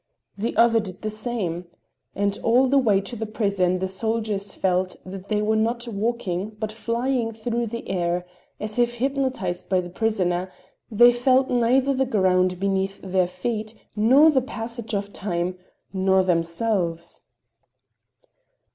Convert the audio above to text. The other did the same. And all the way to the prison the soldiers felt that they were not walking but flying through the air—as if hypnotized by the prisoner, they felt neither the ground beneath their feet, nor the passage of time, nor themselves.